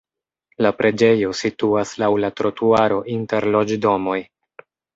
La preĝejo situas laŭ la trotuaro inter loĝdomoj.